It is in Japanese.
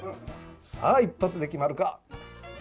さあ一発で決まるか。